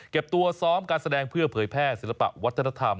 ตัวซ้อมการแสดงเพื่อเผยแพร่ศิลปะวัฒนธรรม